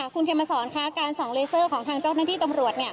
คุณเขมสอนค่ะการส่องเลเซอร์ของทางเจ้าหน้าที่ตำรวจ